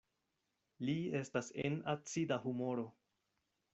Li estas en acida humoro.